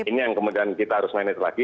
ini yang kemudian kita harus manage lagi